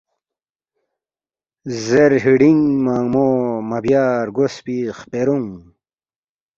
زیر ہلینگ منگمو مہ بیا رگوسپی خپرونگ